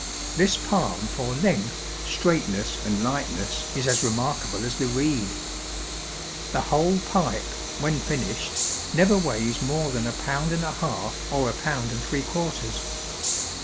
This palm for length, straightness, and lightness is as remarkable as the reed. The whole pipe, when finished, never weighs more than a pound and a half or a pound and three 'larters.